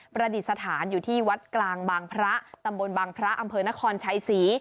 ประดิษฐานอยู่ที่วัดกลางบางพระตำบลบางพระอำเภอนครชัยศรี